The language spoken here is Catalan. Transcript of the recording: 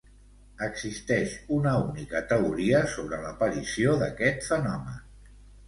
Existeix una única teoria sobre l'aparició d'aquest fenomen.